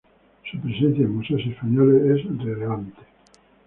Su presencia en museos españoles es relevante.